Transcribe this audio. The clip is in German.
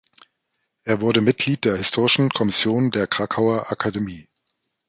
Er wurde Mitglied der historischen Kommission der Krakauer Akademie.